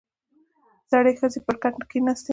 • زړې ښځې پر کټ کښېناستې.